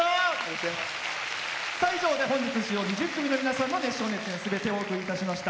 以上で本日の出場２０組の熱唱・熱演すべてお送りいたしました。